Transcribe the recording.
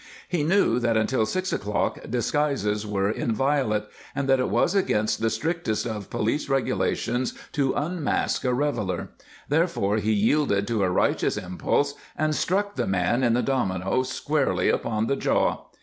He knew that until six o'clock disguises were inviolate, and that it was against the strictest of police regulations to unmask a reveler; therefore he yielded to a righteous impulse and struck the man in the domino squarely upon the jaw.